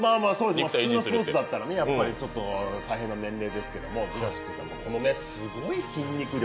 普通のスポーツだったら大変な年齢ですけどジュラシックさんのこのすごい筋肉量。